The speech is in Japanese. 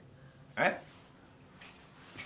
えっ？